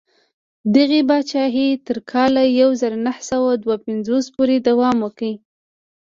دغې پاچاهۍ تر کال یو زر نهه سوه دوه پنځوس پورې دوام وکړ.